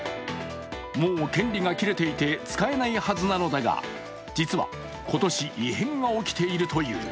もう権利が切れていて使えないはずなのだが、実は今年、異変が起きているという。